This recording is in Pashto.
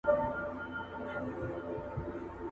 تاسو ته به د فراغت سند درکړل سي.